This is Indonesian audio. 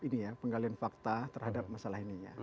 ini ya penggalian fakta terhadap masalah ini ya